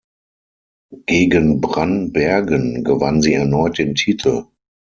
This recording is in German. Gegen Brann Bergen gewann sie erneut den Titel.